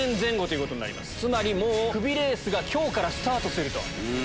つまりクビレースが今日からスタートする。